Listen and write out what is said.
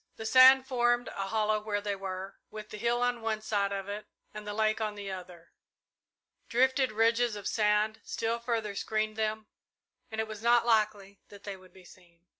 The sand formed a hollow where they were, with the hill on one side of it and the lake on the other. Drifted ridges of sand still further screened them, and it was not likely that they would be seen.